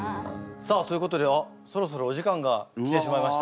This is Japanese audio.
さあということであっそろそろお時間が来てしまいました。